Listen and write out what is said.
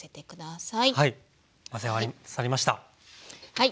はい。